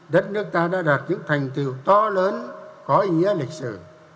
đất nước ta đã đạt những thành tựu to lớn có ý nghĩa lịch sử